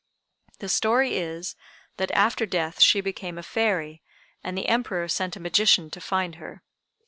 The story is, that after death she became a fairy, and the Emperor sent a magician to find her.